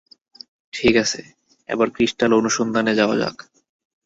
ঠিক আছে, এবার ক্রিস্টাল অনুসন্ধানে যাওয়া যাক।